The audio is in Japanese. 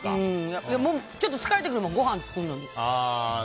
ちょっと疲れてくるもんごはん作るのに。